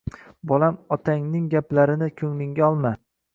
Bolam otangning gaplarini ko‘nglingga olma